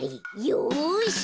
よし。